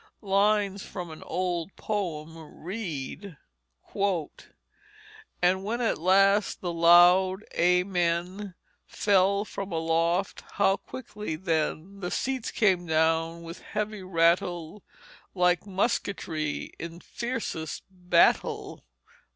Lines from an old poem read: "And when at last the loud Amen Fell from aloft, how quickly then The seats came down with heavy rattle, Like musketry in fiercest battle."